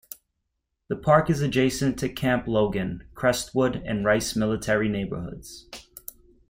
The park is adjacent to the Camp Logan, Crestwood, and Rice Military neighborhoods.